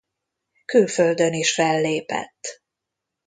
Külföldön is fellépett.